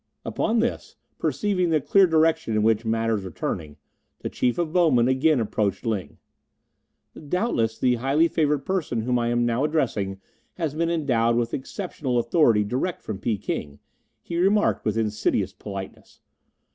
Upon this, perceiving the clear direction in which matters were turning, the Chief of Bowmen again approached Ling. "Doubtless the highly favoured person whom I am now addressing has been endowed with exceptional authority direct from Peking," he remarked with insidious politeness.